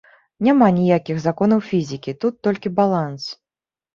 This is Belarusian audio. Няма ніякіх законаў фізікі, тут толькі баланс.